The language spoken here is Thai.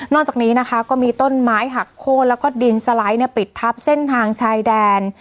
จากนี้นะคะก็มีต้นไม้หักโค้นแล้วก็ดินสไลด์ปิดทับเส้นทางชายแดน